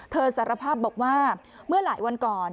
สารภาพบอกว่าเมื่อหลายวันก่อน